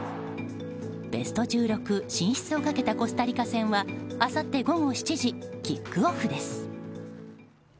ベスト１６進出をかけたコスタリカ戦はあさって午後７時キックオフです。